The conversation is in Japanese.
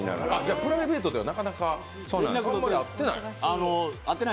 プライベートではなかなか、あまり会ってない？